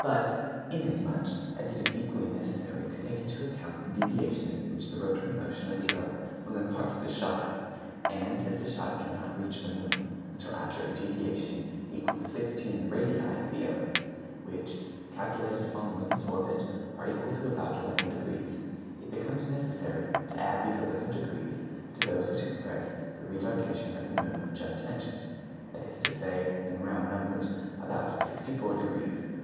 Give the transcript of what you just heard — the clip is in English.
But, inasmuch as it is equally necessary to take into account the deviation which the rotary motion of the earth will impart to the shot, and as the shot cannot reach the moon until after a deviation equal to 16 radii of the earth, which, calculated upon the moon's orbit, are equal to about eleven degrees, it becomes necessary to add these eleven degrees to those which express the retardation of the moon just mentioned: that is to say, in round numbers, about sixty four degrees.